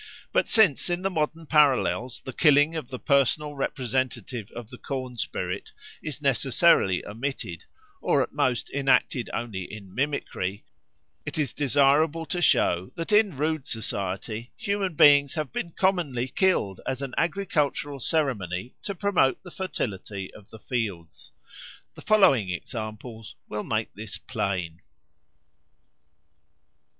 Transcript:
But since in the modern parallels the killing of the personal representative of the corn spirit is necessarily omitted or at most enacted only in mimicry, it is desirable to show that in rude society human beings have been commonly killed as an agricultural ceremony to promote the fertility of the fields. The following examples will make this plain.